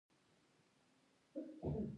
ورکشاپونه ظرفیت لوړوي